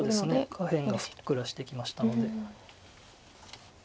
下辺がふっくらしてきましたので。